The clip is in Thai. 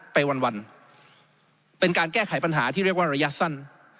ไปวันเป็นการแก้ไขปัญหาที่เรียกว่าระยะสั้น